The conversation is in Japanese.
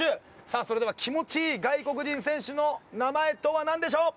さあそれでは気持ちいい外国人選手の名前とはなんでしょう？